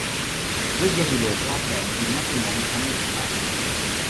Due giorni dopo, avvenne il matrimonio con Luisa.